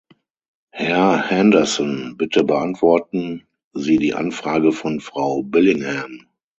Herr Henderson, bitte beantworten Sie die Anfrage von Frau Billingham.